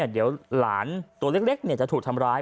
เดี๋ยวหลานตัวเล็กจะถูกทำร้าย